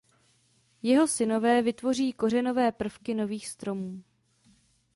Jeho synové vytvoří kořenové prvky nových stromů.